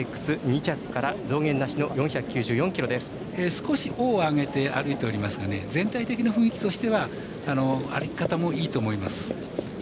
少し尾を上げて歩いておりますけども全体的な雰囲気としては歩き方もいいと思います。